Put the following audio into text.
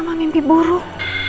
mama mimpi buruk